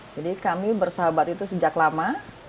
jadi kami bersahabat itu sejak lama